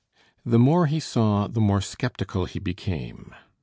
The more he saw the more skeptical he became.